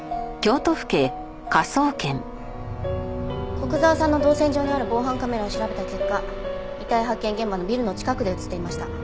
古久沢さんの動線上にある防犯カメラを調べた結果遺体発見現場のビルの近くで映っていました。